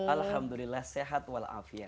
alhamdulillah sehat walafiat